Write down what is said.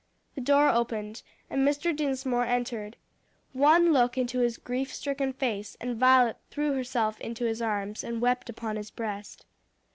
The door opened, and Mr. Dinsmore entered. One look into his grief stricken face, and Violet threw herself into his arms, and wept upon his breast.